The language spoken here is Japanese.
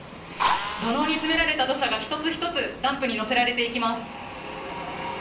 土のうに詰められた土砂が一つ一つダンプに載せられていきます。